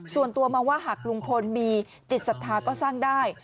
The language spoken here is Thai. ส่วนตัวมองว่าหากลุงพลมีจิตศรัทธาก็สร้างได้